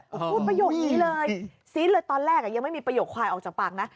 พูดประโยคนี้เลยซี๊ดเลยตอนแรกยังไม่มีประโยคควายออกจากปากนะ